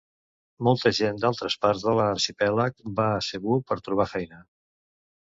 Molta gent d'altres parts de l'arxipèlag va a Cebu per trobar feina.